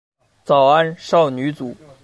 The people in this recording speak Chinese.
早安少女组。